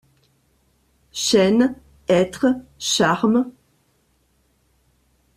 Chênes, hêtres, charmes.